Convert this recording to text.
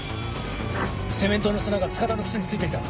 セメントの砂が塚田の靴に付いていた。